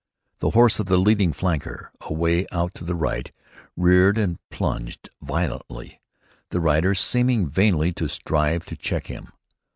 The horse of the leading flanker, away out to the right, reared and plunged violently, the rider seeming vainly to strive to check him.